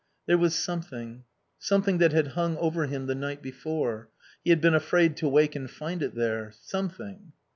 There was something; something that had hung over him the night before. He had been afraid to wake and find it there. Something